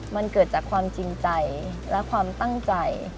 มันเกิดจากความจริงใจและความตั้งใจ